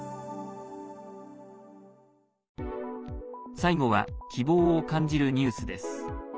最後は希望を感じるニュースです。